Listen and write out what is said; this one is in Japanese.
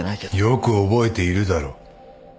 よく覚えているだろ？